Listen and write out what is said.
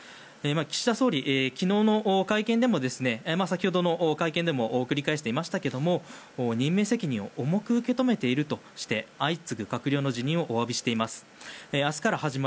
岸田総理、昨日の会見でも先ほどの会見でも繰り返していましたが任命責任を重く受け止めているとして相次ぐ閣僚の辞任をおわびしています。